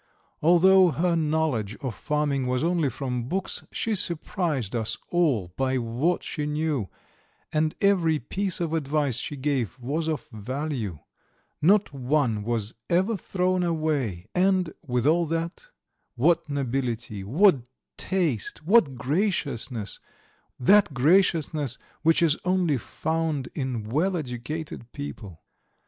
Although her knowledge of farming was only from books she surprised us all by what she knew; and every piece of advice she gave was of value; not one was ever thrown away; and, with all that, what nobility, what taste, what graciousness, that graciousness which is only found in well educated people.